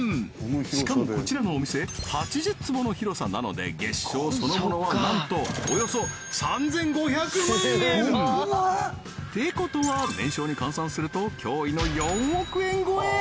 しかもこちらのお店８０坪の広さなので月商そのものはなんとおよそ３５００万円！ってことは年商に換算すると驚異の４億円超え！